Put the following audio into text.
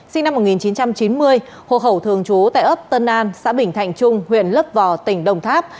sinh năm một nghìn chín trăm chín mươi hồ khẩu thường trú tại ấp tân an xã bình thạnh trung huyện lấp vò tỉnh đồng tháp